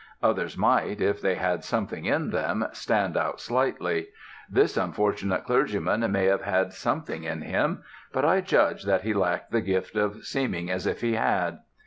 Others might, if they had something in them, stand out slightly. This unfortunate clergyman may have had something in him, but I judge that he lacked the gift of seeming as if he had.